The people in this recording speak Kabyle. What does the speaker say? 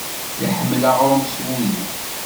Iḥemmel aɣrum s wudi.